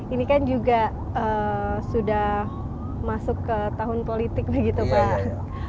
ini kan juga sudah masuk ke tahun politik begitu pak